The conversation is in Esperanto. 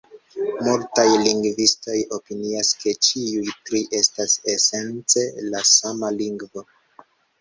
Multaj lingvistoj opinias, ke ĉiuj tri estas esence la sama lingvo.